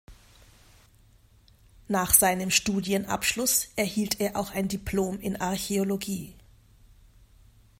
Nach seinem Studienabschluss erhielt er auch ein Diplom in Archäologie.